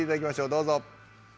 どうぞ。